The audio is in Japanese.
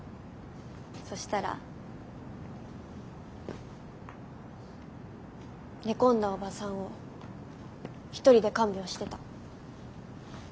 そしたら寝込んだおばさんを一人で看病してた。